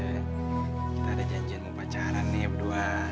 kita ada janjian mau pacaran nih ya berdua